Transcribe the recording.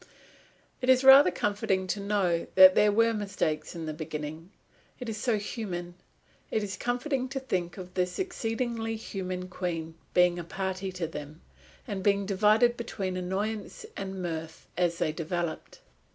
It is rather comforting to know that there were mistakes in the beginning. It is so human. It is comforting to think of this exceedingly human Queen being a party to them, and being divided between annoyance and mirth as they developed.